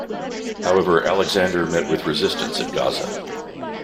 However, Alexander met with resistance at Gaza.